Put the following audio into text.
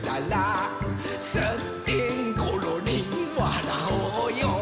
「すってんころりんわらおうよ」